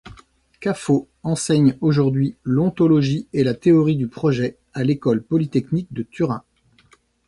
Caffo enseigne aujourd'hui l'ontologie et la théorie du projet à l'École polytechnique de Turin.